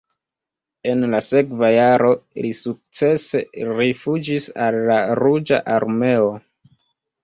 En la sekva jaro li sukcese rifuĝis al la Ruĝa Armeo.